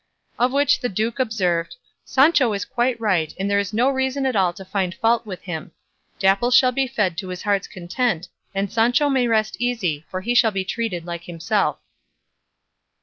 On which the duke observed, "Sancho is quite right, and there is no reason at all to find fault with him; Dapple shall be fed to his heart's content, and Sancho may rest easy, for he shall be treated like himself."